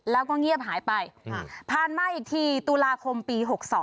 แล้วก็เงียบหายไปผ่านมาอีกทีตุลาคมปี๖๒